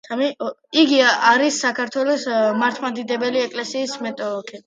იგი არის საქართველოს მართლმადიდებელი ეკლესიის მეტოქი.